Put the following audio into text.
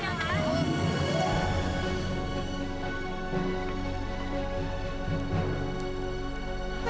siapa sih ibu